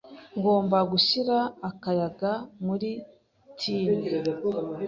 Ngomba gushyira akayaga muri tine.